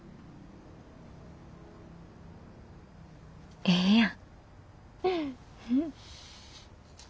ええやん。